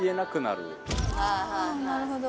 あなるほど。